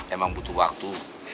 emang butuh waktu